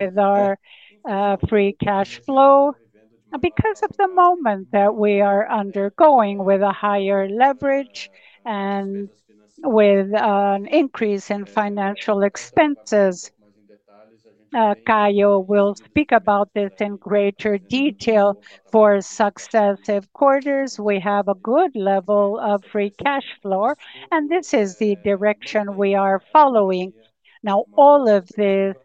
With our free cash flow. And because of the moment that we are undergoing with a higher leverage and with an increase in financial expenses. Caio will speak about this in greater detail. For successive quarters, we have a good level of free cash flow, and this is the direction we are following. Now, all of this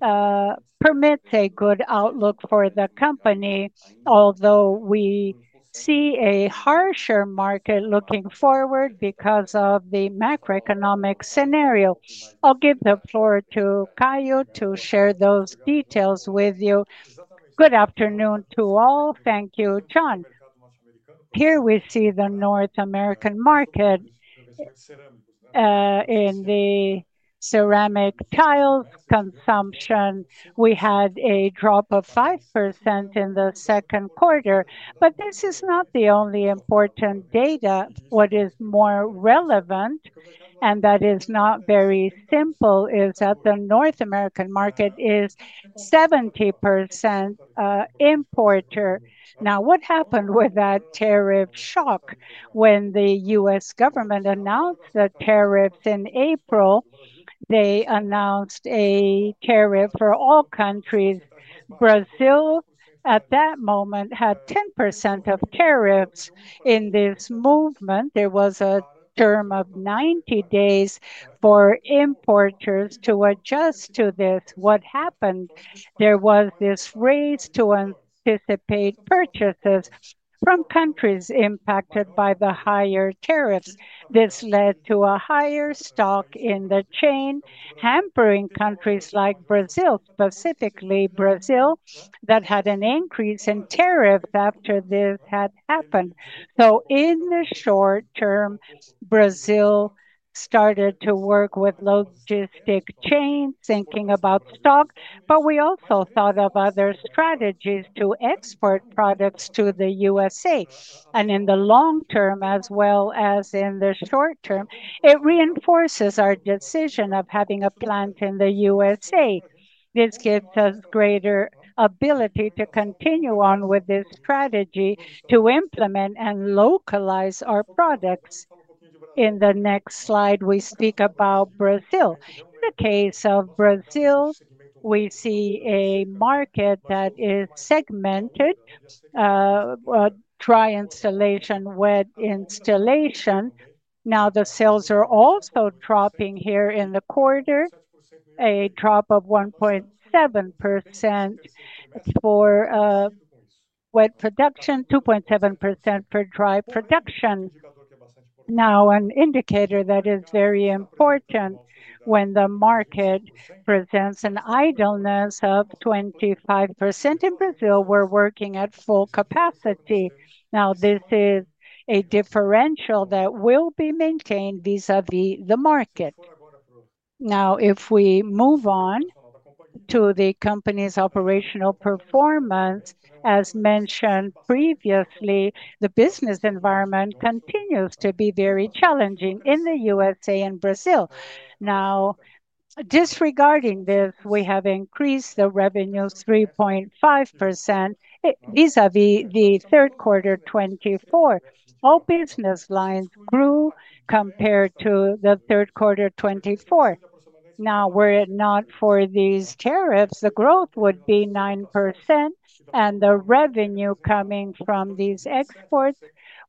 permits a good outlook for the company, although we see a harsher market looking forward because of the macroeconomic scenario. I'll give the floor to Caio to share those details with you. Good afternoon to all. Thank you, John. Here we see the North American market in the ceramic tiles consumption. We had a drop of 5% in the second quarter, but this is not the only important data. What is more relevant, and that is not very simple, is that the North American market is 70% importer. Now, what happened with that tariff shock when the U.S. government announced the tariffs in April? They announced a tariff for all countries. Brazil, at that moment, had 10% of tariffs. In this movement, there was a term of 90 days for importers to adjust to this. What happened? There was this race to anticipate purchases from countries impacted by the higher tariffs. This led to a higher stock in the chain, hampering countries like Brazil, specifically Brazil, that had an increase in tariffs after this had happened. In the short term, Brazil started to work with logistic chains, thinking about stock, but we also thought of other strategies to export products to the U.S.A. In the long term, as well as in the short term, it reinforces our decision of having a plant in the U.S.A. This gives us greater ability to continue on with this strategy to implement and localize our products. In the next slide, we speak about Brazil. In the case of Brazil, we see a market that is segmented: dry installation, wet installation. Now, the sales are also dropping here in the quarter. A drop of 1.7%. For wet production, 2.7% for dry production. Now, an indicator that is very important when the market presents an idleness of 25% in Brazil, we're working at full capacity. Now, this is a differential that will be maintained vis-à-vis the market. Now, if we move on to the company's operational performance, as mentioned previously, the business environment continues to be very challenging in the U.S. and Brazil. Now, disregarding this, we have increased the revenues 3.5% vis-à-vis the third quarter 2024. All business lines grew compared to the third quarter 2024. Now, were it not for these tariffs, the growth would be 9%, and the revenue coming from these exports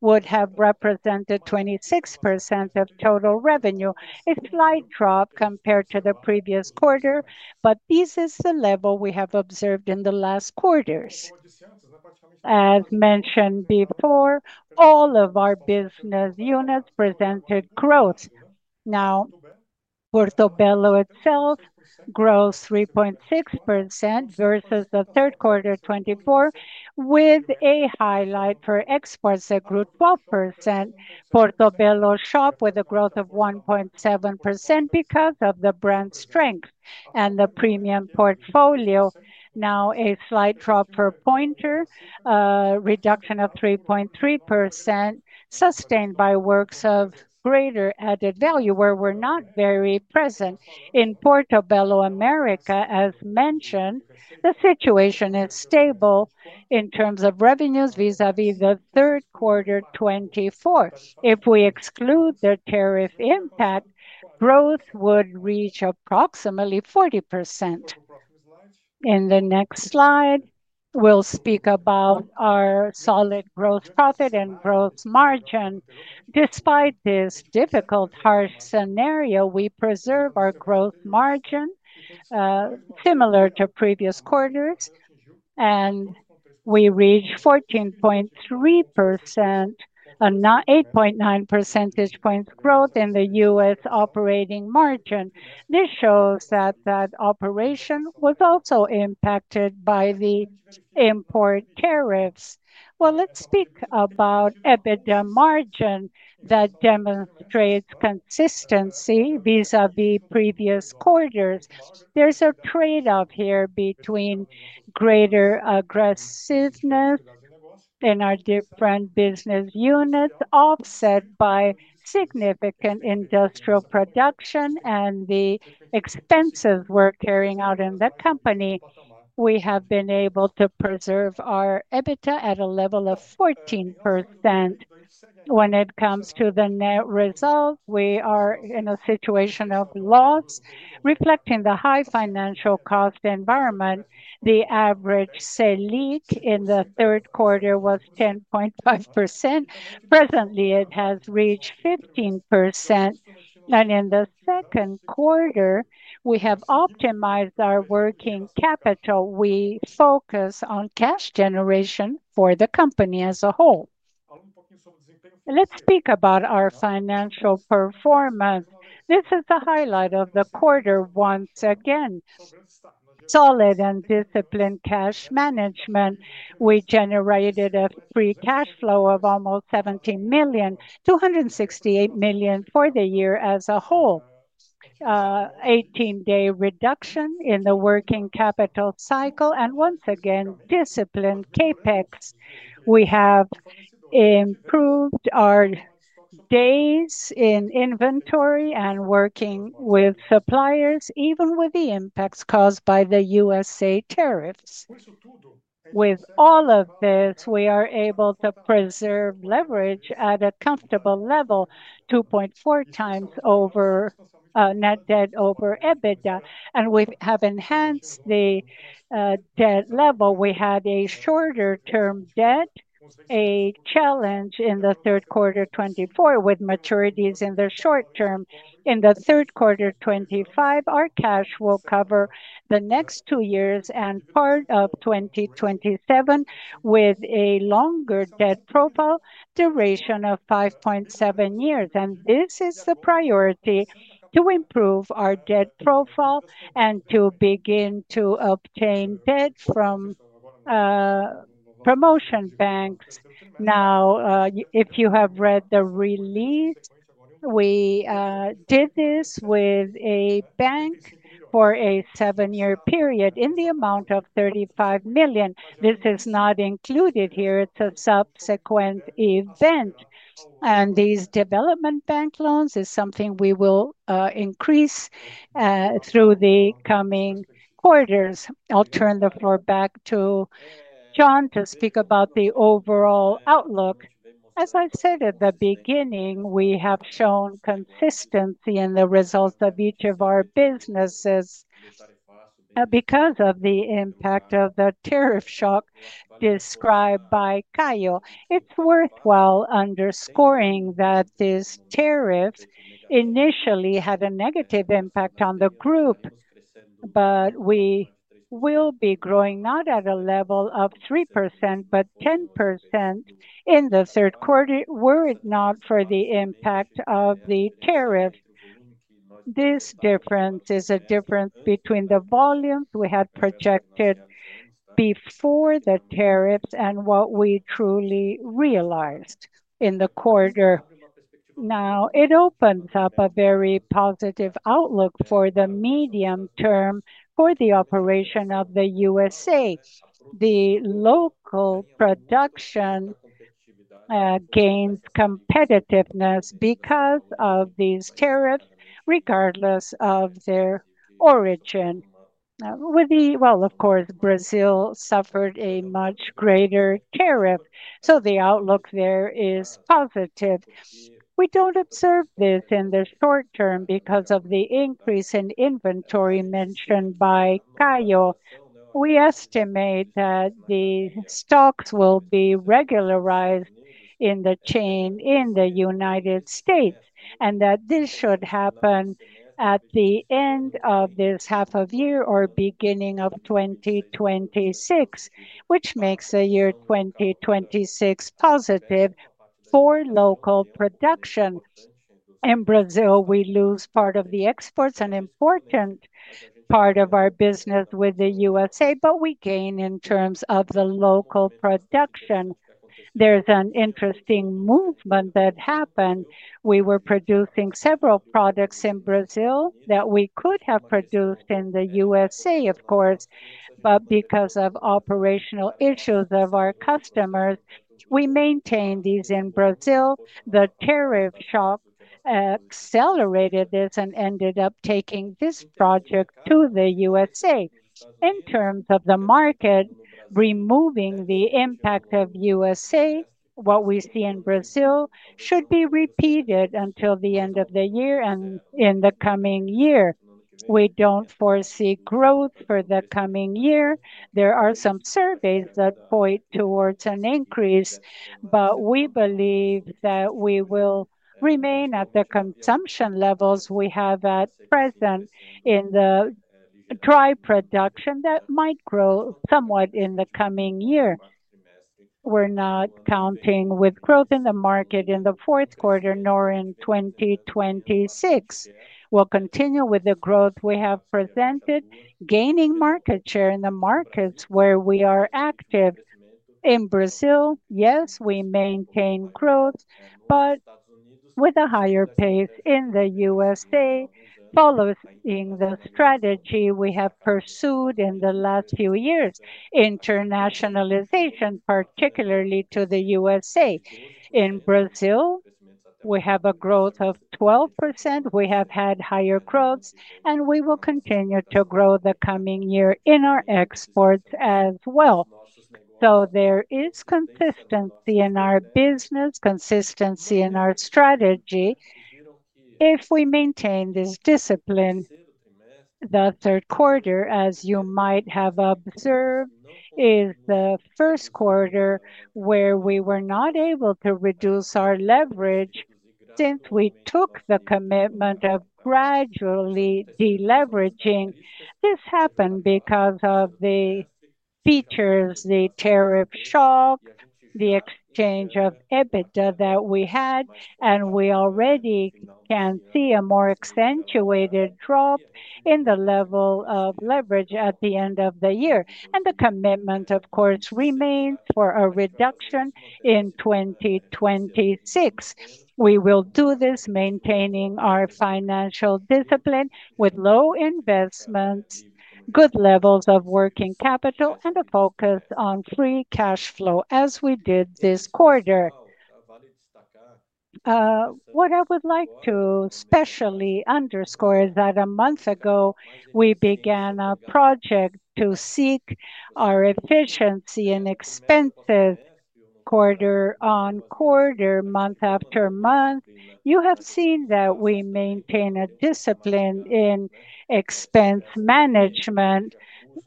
would have represented 26% of total revenue. A slight drop compared to the previous quarter, but this is the level we have observed in the last quarters. As mentioned before, all of our business units presented growth. Now, Portobello itself grows 3.6% versus the third quarter 2024, with a highlight for exports that grew 12%. Portobello Shop with a growth of 1.7% because of the brand strength and the premium portfolio. Now, a slight drop for Pointer, reduction of 3.3%, sustained by works of greater added value, where we're not very present. In Portobello America, as mentioned, the situation is stable in terms of revenues vis-à-vis the third quarter 2024. If we exclude the tariff impact, growth would reach approximately 40%. In the next slide, we'll speak about our solid growth profit and growth margin. Despite this difficult, harsh scenario, we preserve our growth margin, similar to previous quarters, and we reach 14.3%. And not 8.9 percentage points growth in the U.S. operating margin. This shows that that operation was also impacted by the import tariffs. Let's speak about EBITDA margin that demonstrates consistency vis-à-vis previous quarters. There's a trade-off here between greater aggressiveness in our different business units, offset by significant industrial production and the expenses we're carrying out in the company. We have been able to preserve our EBITDA at a level of 14%. When it comes to the net result, we are in a situation of loss, reflecting the high financial cost environment. The average SELIC in the third quarter was 10.5%. Presently, it has reached 15%. In the second quarter, we have optimized our working capital. We focus on cash generation for the company as a whole. Let's speak about our financial performance. This is the highlight of the quarter once again. Solid and disciplined cash management. We generated a free cash flow of almost 17 million, 268 million for the year as a whole. Eighteen-day reduction in the working capital cycle, and once again, disciplined CapEx. We have improved our days in inventory and working with suppliers, even with the impacts caused by the U.S. tariffs. With all of this, we are able to preserve leverage at a comfortable level, 2.4x net debt over EBITDA, and we have enhanced the debt level. We had a shorter-term debt, a challenge in the third quarter 2024 with maturities in the short term. In the third quarter 2025, our cash will cover the next two years and part of 2027 with a longer debt profile, duration of 5.7 years. This is the priority to improve our debt profile and to begin to obtain debt from promotion banks. If you have read the release, we did this with a bank for a seven-year period in the amount of $35 million. This is not included here. It is a subsequent event. These development bank loans are something we will increase through the coming quarters. I will turn the floor back to John to speak about the overall outlook. As I said at the beginning, we have shown consistency in the results of each of our businesses because of the impact of the tariff shock described by Caio. It is worthwhile underscoring that this tariff initially had a negative impact on the group. We will be growing not at a level of 3%, but 10% in the third quarter, were it not for the impact of the tariff. This difference is a difference between the volumes we had projected before the tariffs and what we truly realized in the quarter. Now, it opens up a very positive outlook for the medium term for the operation of the U.S. The local production gains competitiveness because of these tariffs, regardless of their origin. Of course, Brazil suffered a much greater tariff, so the outlook there is positive. We do not observe this in the short term because of the increase in inventory mentioned by Caio. We estimate that the stocks will be regularized in the chain in the United States and that this should happen at the end of this half of year or beginning of 2026, which makes the year 2026 positive for local production. In Brazil, we lose part of the exports, an important part of our business with the United States, but we gain in terms of the local production. There's an interesting movement that happened. We were producing several products in Brazil that we could have produced in the United States, of course, but because of operational issues of our customers, we maintained these in Brazil. The tariff shock accelerated this and ended up taking this project to the United States. In terms of the market, removing the impact of the United States, what we see in Brazil should be repeated until the end of the year and in the coming year. We don't foresee growth for the coming year. There are some surveys that point towards an increase, but we believe that we will remain at the consumption levels we have at present. Dry production might grow somewhat in the coming year. We're not counting with growth in the market in the fourth quarter nor in 2026. We'll continue with the growth we have presented, gaining market share in the markets where we are active. In Brazil, yes, we maintain growth, but with a higher pace in the U.S., following the strategy we have pursued in the last few years. Internationalization, particularly to the U.S.A. In Brazil, we have a growth of 12%. We have had higher growths, and we will continue to grow the coming year in our exports as well. There is consistency in our business, consistency in our strategy. If we maintain this discipline. The third quarter, as you might have observed, is the first quarter where we were not able to reduce our leverage since we took the commitment of gradually deleveraging. This happened because of the features, the tariff shock, the exchange of EBITDA that we had, and we already can see a more accentuated drop in the level of leverage at the end of the year. The commitment, of course, remains for a reduction in 2026. We will do this, maintaining our financial discipline with low investments, good levels of working capital, and a focus on free cash flow as we did this quarter. What I would like to especially underscore is that a month ago, we began a project to seek our efficiency in expenses. Quarter on quarter, month after month, you have seen that we maintain a discipline in expense management.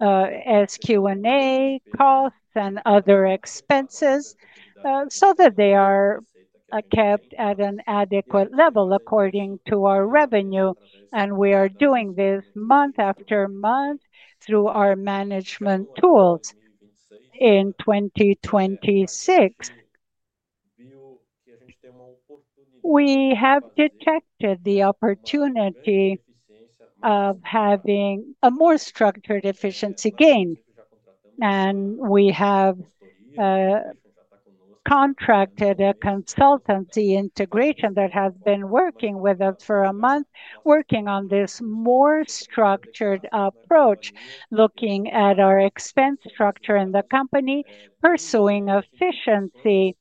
SG&A, costs, and other expenses, so that they are kept at an adequate level according to our revenue. We are doing this month after month through our management tools. In 2026, we have detected the opportunity of having a more structured efficiency gain. We have contracted a consultancy integration that has been working with us for a month, working on this more structured approach, looking at our expense structure in the company, pursuing efficiency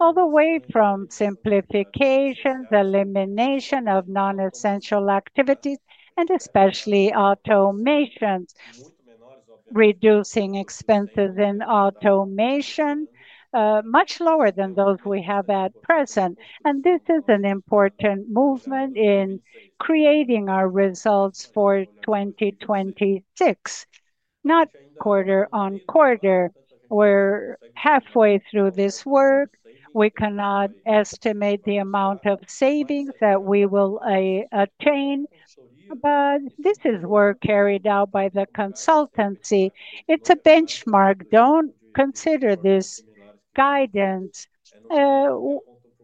all the way from simplifications, elimination of non-essential activities, and especially automations. Reducing expenses in automation, much lower than those we have at present. This is an important movement in creating our results for 2026, not quarter on quarter. We're halfway through this work. We cannot estimate the amount of savings that we will attain, but this is work carried out by the consultancy. It's a benchmark. Don't consider this guidance.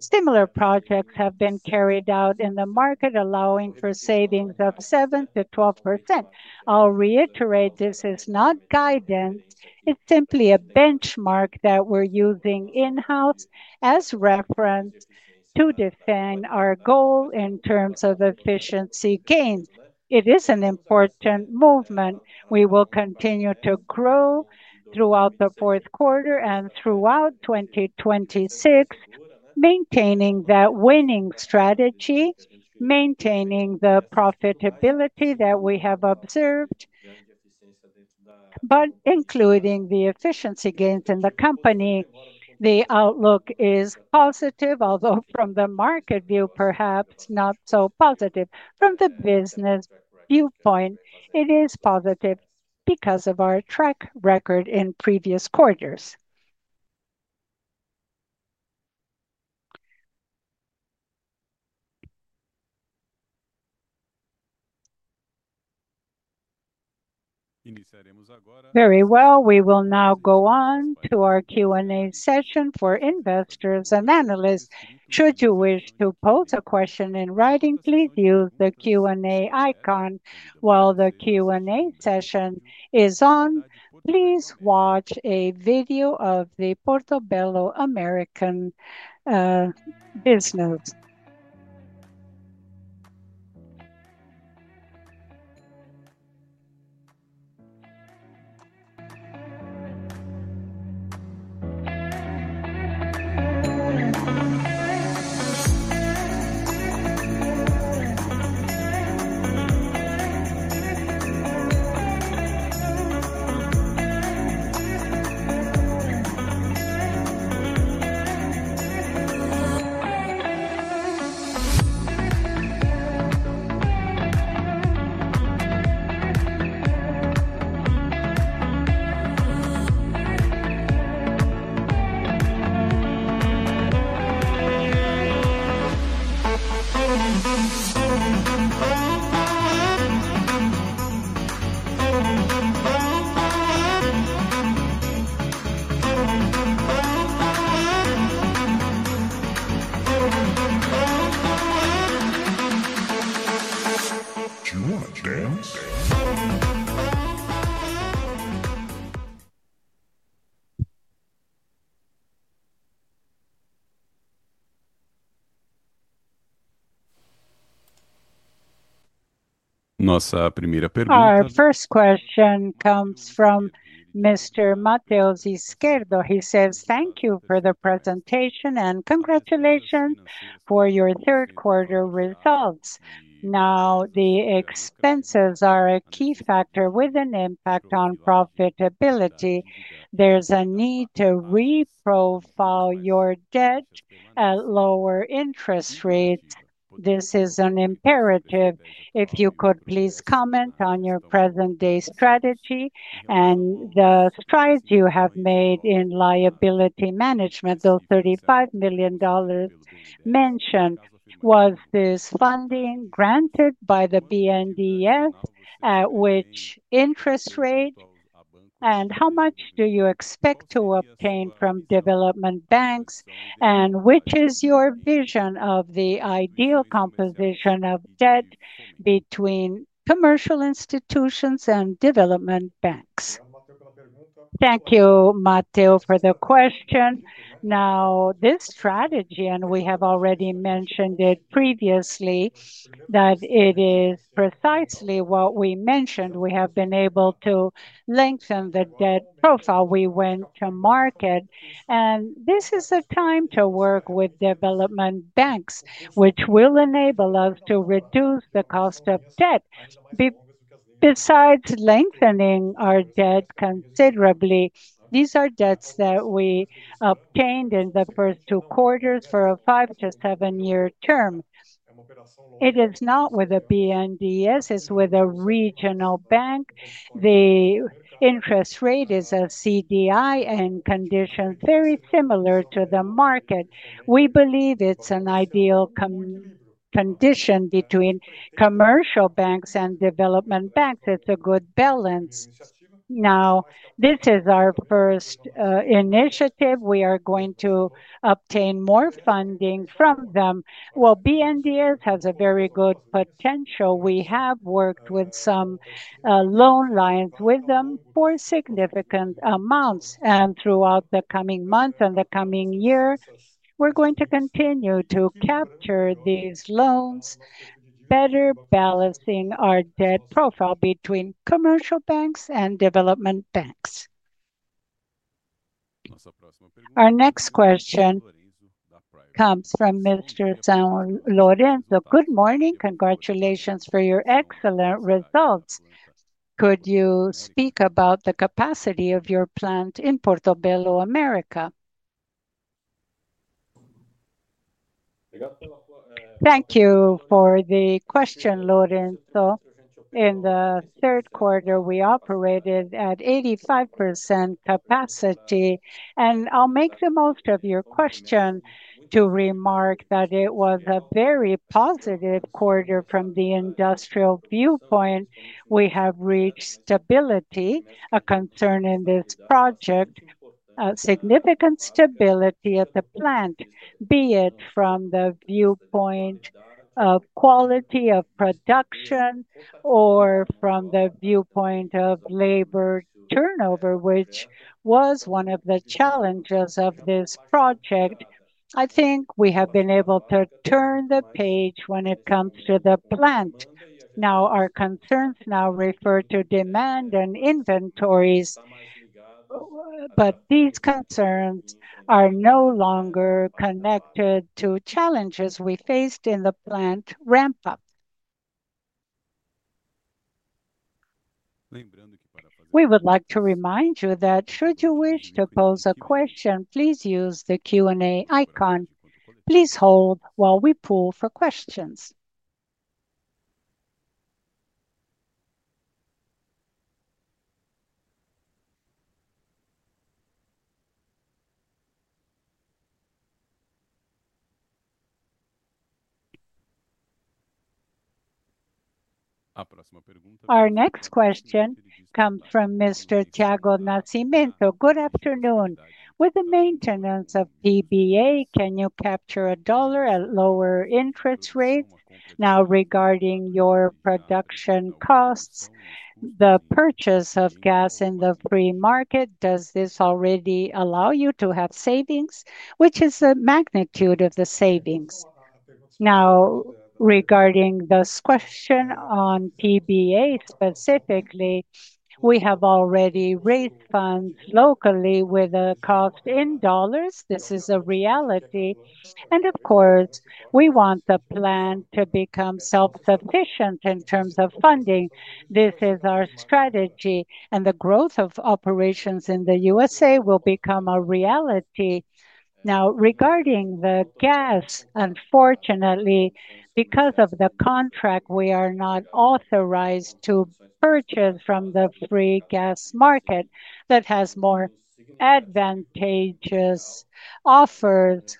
Similar projects have been carried out in the market, allowing for savings of 7%-12%. I'll reiterate, this is not guidance. It's simply a benchmark that we're using in-house as reference to define our goal in terms of efficiency gains. It is an important movement. We will continue to grow throughout the fourth quarter and throughout 2026. Maintaining that winning strategy, maintaining the profitability that we have observed. Including the efficiency gains in the company, the outlook is positive, although from the market view, perhaps not so positive. From the business viewpoint, it is positive because of our track record in previous quarters. Very well. We will now go on to our Q&A session for investors and analysts. Should you wish to pose a question in writing, please use the Q&A icon while the Q&A session is on. Please watch a video of the Portobello America business. Our first question comes from Mr. Mateus Izquierdo. He says, "Thank you for the presentation and congratulations for your third quarter results. Now, the expenses are a key factor with an impact on profitability. There's a need to reprofile your debt at lower interest rates. This is an imperative. If you could, please comment on your present-day strategy and the strides you have made in liability management. The $35 million mentioned, was this funding granted by the BNDES, which interest rate, and how much do you expect to obtain from development banks, and which is your vision of the ideal composition of debt between commercial institutions and development banks?" Thank you, Mateus, for the question. Now, this strategy, and we have already mentioned it previously, that it is precisely what we mentioned. We have been able to. Lengthen the debt profile we went to market, and this is a time to work with development banks, which will enable us to reduce the cost of debt. Besides lengthening our debt considerably, these are debts that we obtained in the first two quarters for a five- to seven-year term. It is not with BNDES; it is with a regional bank. The interest rate is a CDI and conditions very similar to the market. We believe it is an ideal condition between commercial banks and development banks. It is a good balance. This is our first initiative. We are going to obtain more funding from them. BNDES has a very good potential. We have worked with some loan lines with them for significant amounts, and throughout the coming months and the coming year, we're going to continue to capture these loans, better balancing our debt profile between commercial banks and development banks. Our next question comes from Mr. San Lorenzo. Good morning. Congratulations for your excellent results. Could you speak about the capacity of your plant in Portobello America? Thank you for the question, Lorenzo. In the third quarter, we operated at 85% capacity, and I'll make the most of your question to remark that it was a very positive quarter from the industrial viewpoint. We have reached stability, a concern in this project, significant stability at the plant, be it from the viewpoint of quality of production or from the viewpoint of labor turnover, which was one of the challenges of this project. I think we have been able to turn the page when it comes to the plant. Now, our concerns now refer to demand and inventories. These concerns are no longer connected to challenges we faced in the plant ramp-up. We would like to remind you that should you wish to pose a question, please use the Q&A icon. Please hold while we pull for questions. Our next question comes from Mr. Tiago Nascimento. Good afternoon. With the maintenance of PBA, can you capture a dollar at lower interest rates? Now, regarding your production costs, the purchase of gas in the free market, does this already allow you to have savings, what is the magnitude of the savings? Now, regarding this question on PBA specifically, we have already raised funds locally with a cost in dollars. This is a reality. Of course, we want the plant to become self-sufficient in terms of funding. This is our strategy, and the growth of operations in the U.S. will become a reality. Now, regarding the gas, unfortunately, because of the contract, we are not authorized to purchase from the free gas market that has more advantageous offers.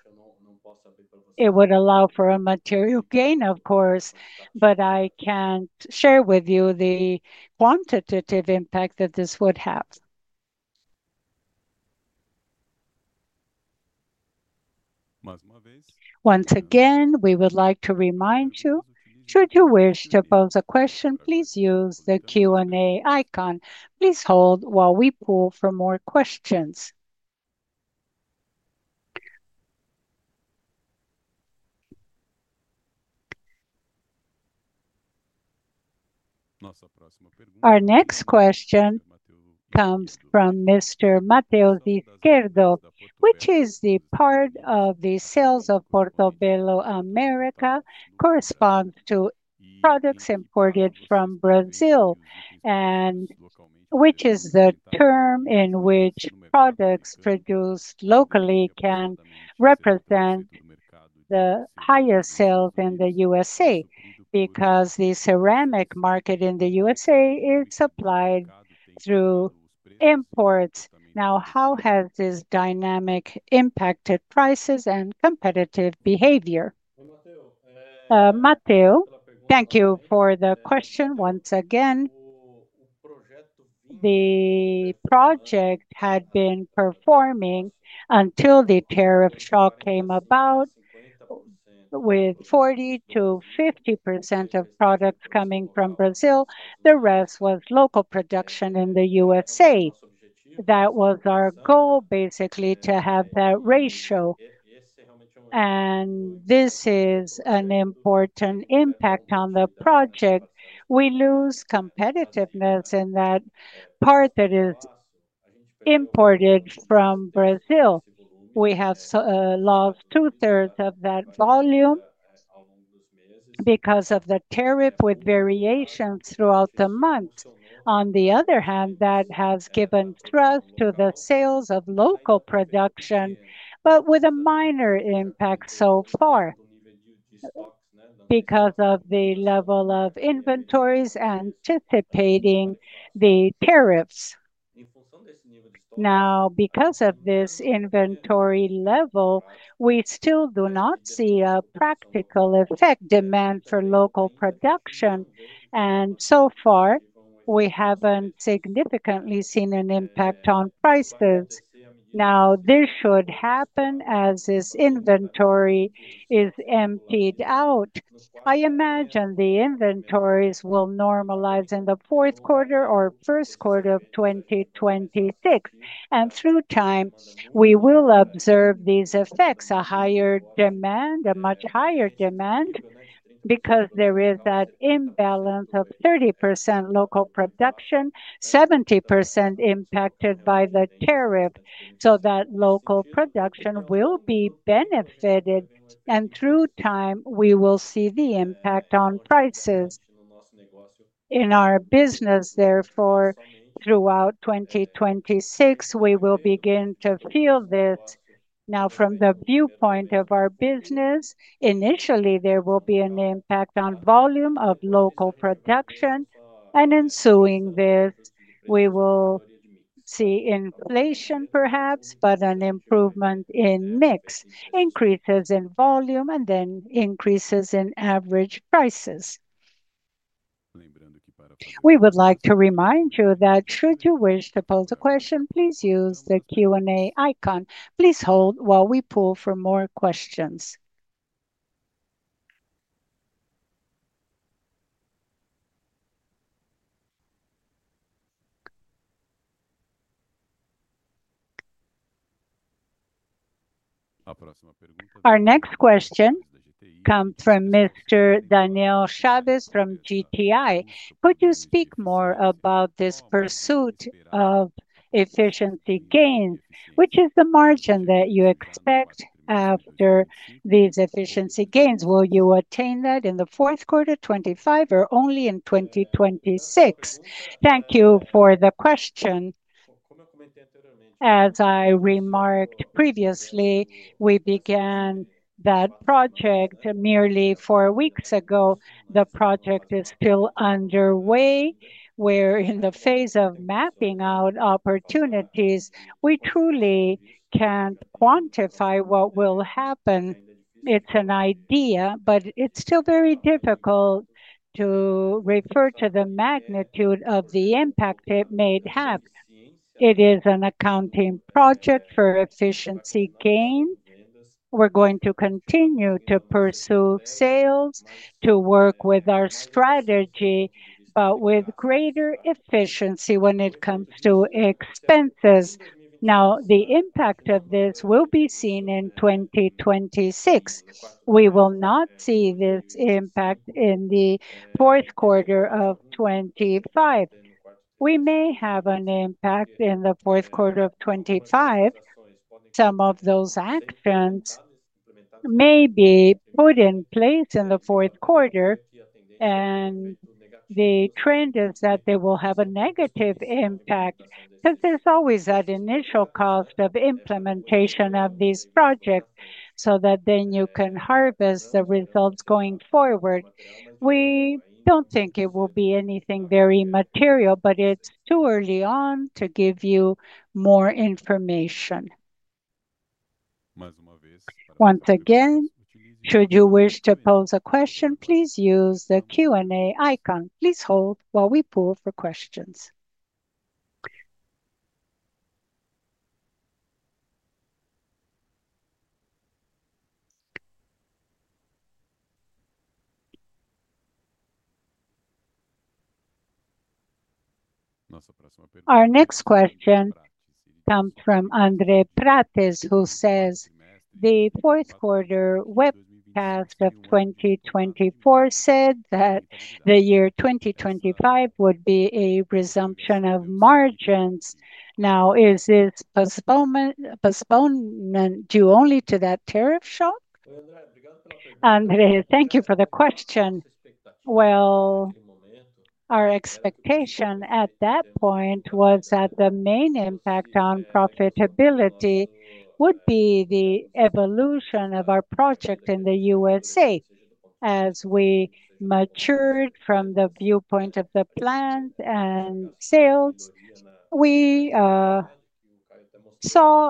It would allow for a material gain, of course, but I cannot share with you the quantitative impact that this would have. Once again, we would like to remind you, should you wish to pose a question, please use the Q&A icon. Please hold while we pull for more questions. Our next question comes from Mr. Mateus Izquierdo, which is the part of the sales of Portobello America that corresponds to products imported from Brazil, and which is the term in which products produced locally can represent. The highest sales in the U.S. because the ceramic market in the U.S. is supplied through imports. Now, how has this dynamic impacted prices and competitive behavior? Mateus, thank you for the question once again. The project had been performing until the tariff shock came about. With 40%-50% of products coming from Brazil, the rest was local production in the U.S. That was our goal, basically, to have that ratio. This is an important impact on the project. We lose competitiveness in that part that is imported from Brazil. We have lost two-thirds of that volume because of the tariff, with variations throughout the month. On the other hand, that has given thrust to the sales of local production, but with a minor impact so far because of the level of inventories anticipating the tariffs. Now, because of this inventory level, we still do not see a practical effect demand for local production. So far, we have not significantly seen an impact on prices. This should happen as this inventory is emptied out. I imagine the inventories will normalize in the fourth quarter or first quarter of 2026. Through time, we will observe these effects: a higher demand, a much higher demand, because there is that imbalance of 30% local production, 70% impacted by the tariff, so that local production will be benefited. Through time, we will see the impact on prices. In our business, therefore, throughout 2026, we will begin to feel this. Now, from the viewpoint of our business. Initially, there will be an impact on volume of local production. In suing this, we will. See inflation, perhaps, but an improvement in mix, increases in volume, and then increases in average prices. We would like to remind you that should you wish to pose a question, please use the Q&A icon. Please hold while we pull for more questions. Our next question comes from Mr. Daniel Chavez from GTI. Could you speak more about this pursuit of efficiency gains, which is the margin that you expect after. These efficiency gains? Will you attain that in the fourth quarter 2025 or only in 2026? Thank you for the question. As I remarked previously, we began that project merely four weeks ago. The project is still underway. We're in the phase of mapping out opportunities. We truly can't quantify what will happen. It's an idea, but it's still very difficult to. Refer to the magnitude of the impact it may have. It is an accounting project for efficiency gain. We're going to continue to pursue sales, to work with our strategy, but with greater efficiency when it comes to expenses. Now, the impact of this will be seen in 2026. We will not see this impact in the fourth quarter of 2025. We may have an impact in the fourth quarter of 2025. Some of those actions may be put in place in the fourth quarter. The trend is that they will have a negative impact because there's always that initial cost of implementation of these projects so that then you can harvest the results going forward. We don't think it will be anything very material, but it's too early on to give you more information. Once again, should you wish to pose a question, please use the Q&A icon. Please hold while we pull for questions. Our next question. Comes from Andre Prates, who says the fourth quarter webcast of 2024 said that the year 2025 would be a resumption of margins. Now, is this postponement due only to that tariff shock? Andre, thank you for the question. Our expectation at that point was that the main impact on profitability would be the evolution of our project in the U.S. As we matured from the viewpoint of the plant and sales, we saw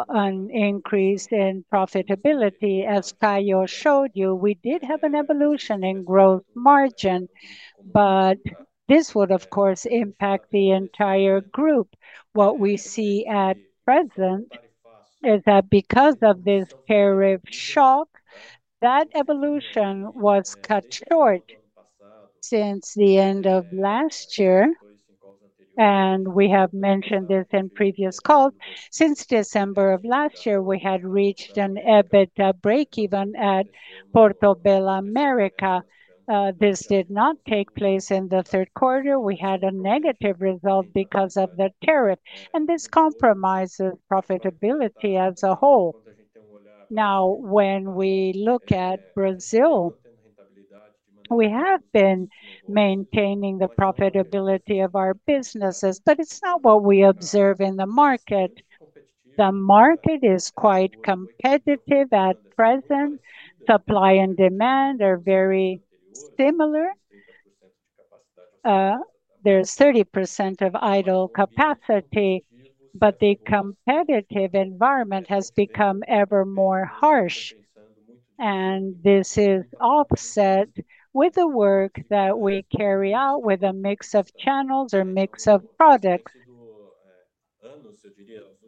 an increase in profitability. As Caio showed you, we did have an evolution in gross margin, but this would, of course, impact the entire group. What we see at present is that because of this tariff shock, that evolution was cut short. Since the end of last year, and we have mentioned this in previous calls, since December of last year, we had reached an EBITDA breakeven at Portobello America. This did not take place in the third quarter. We had a negative result because of the tariff, and this compromises profitability as a whole. Now, when we look at Brazil, we have been maintaining the profitability of our businesses, but it's not what we observe in the market. The market is quite competitive at present. Supply and demand are very similar. There's 30% of idle capacity, but the competitive environment has become ever more harsh. This is offset with the work that we carry out with a mix of channels or mix of products.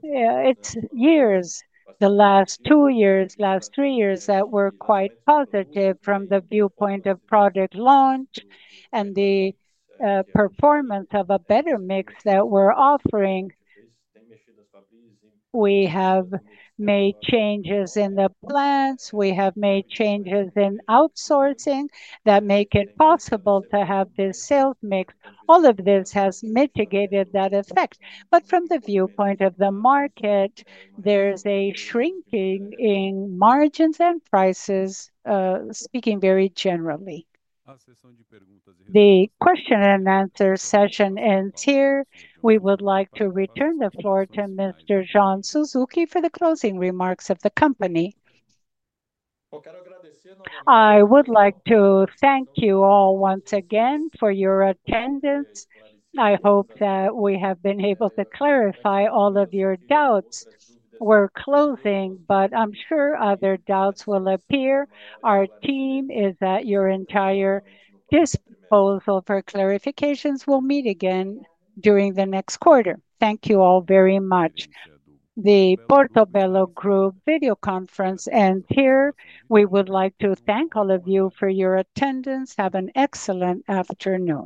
It's years, the last two years, last three years that were quite positive from the viewpoint of product launch and the performance of a better mix that we're offering. We have made changes in the plants. We have made changes in outsourcing that make it possible to have this sales mix. All of this has mitigated that effect. From the viewpoint of the market, there is a shrinking in margins and prices, speaking very generally. The question and answer session ends here. We would like to return the floor to Mr. John Suzuki for the closing remarks of the company. I would like to thank you all once again for your attendance. I hope that we have been able to clarify all of your doubts. We are closing, but I am sure other doubts will appear. Our team is at your entire disposal for clarifications. We will meet again during the next quarter. Thank you all very much. The Portobello Group video conference ends here. We would like to thank all of you for your attendance. Have an excellent afternoon.